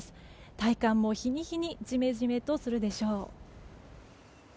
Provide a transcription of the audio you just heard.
体感も、日に日にジメジメとするでしょう。